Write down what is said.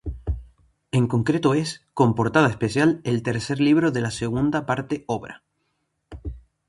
En concreto es, con portada especial, el tercer libro de la segunda parte obra.